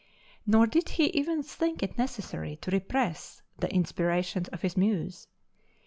Nor did he even think it necessary to repress the inspirations of his Muse.